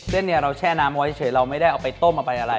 เส้นนี้เราแช่น้ำไว้เฉยเราไม่ได้เอาไปต้มเอาไปอะไร